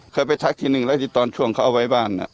เคยไปทักทีนึงแล้วที่ตอนช่วงเขาเอาไว้บ้าน